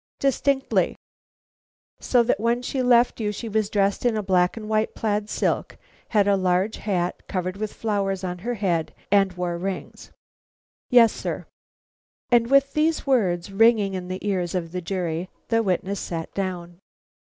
"Distinctly." "So that when she left you she was dressed in a black and white plaid silk, had a large hat covered with flowers on her head, and wore rings?" "Yes, sir." And with these words ringing in the ears of the jury, the witness sat down.